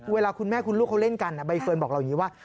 เวลาคุณแม่คุณลูกเขาเล่นกันใบเฟิร์นบอกเราอย่างนี้ว่า